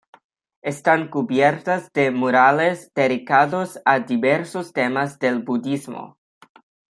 Están cubiertas de murales dedicados a diversos temas del budismo.